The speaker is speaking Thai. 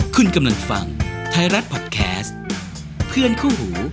คุณกำลังฟังไทยรัฐพอดแคสต์เพื่อนคู่หู